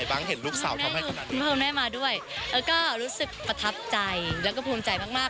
ยังไม่รู้สึกประทับใจแล้วก็ภูมิใจมาก